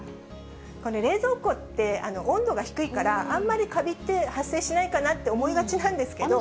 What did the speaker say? これ、冷蔵庫って温度が低いから、あんまりカビって発生しないかなって思いがちなんですけど。